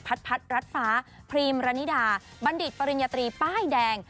พัดรัดฟ้าพรีมรณิดาบัณฑิตปริญญาตรีป้ายแดง